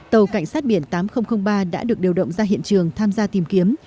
tàu cảnh sát biển tám nghìn ba đã được điều động ra hiện trường tham gia tìm kiếm